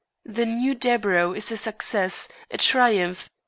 The new Deburau is a success, a triumph.